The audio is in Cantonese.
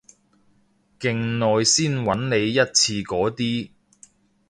勁耐先搵你一次嗰啲